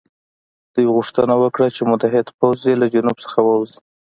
دوی غوښتنه وکړه چې متحد پوځ دې له جنوب څخه ووځي.